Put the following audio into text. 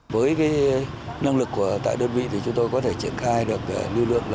với năng lực tại đơn vị thì chúng tôi có thể triển khai được lưu lượng